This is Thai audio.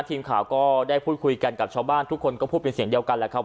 ทีมข่าวก็ได้พูดคุยกันกับชาวบ้านทุกคนก็พูดเป็นเสียงเดียวกันแหละครับ